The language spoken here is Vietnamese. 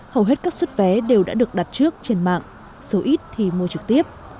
hầu hết các xuất vé đều đã được đặt trước trên mạng số ít thì mua trực tiếp